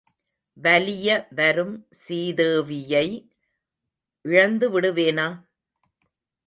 வலிய வரும் சீதேவியை இழந்து விடுவேனா?